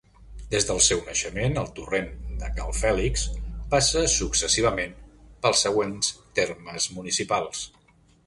Des del seu naixement, el Torrent de Cal Fèlix passa successivament pels següents termes municipals.